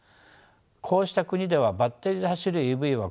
こうした国ではバッテリーで走るＥＶは好都合です。